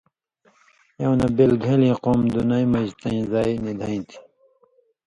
اېوں نہ بېل گھِن٘لیۡ قُوم دنَیں مژ تَیں زائ نی دھیں تھی۔